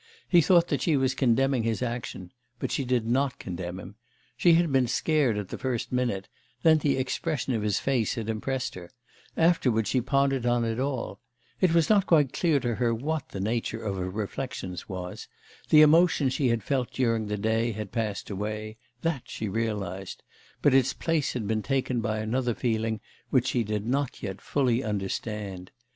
He thought that she was condemning his action; but she did not condemn him. She had been scared at the first minute; then the expression of his face had impressed her; afterwards she pondered on it all. It was not quite clear to her what the nature of her reflections was. The emotion she had felt during the day had passed away; that she realised; but its place had been taken by another feeling which she did not yet fully understand.